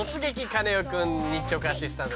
カネオくん」日直アシスタント